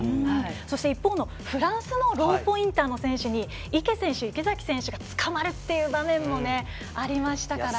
そして一方のフランスのローポインターの選手に池選手、池崎選手が捕まるっていう場面もありましたから。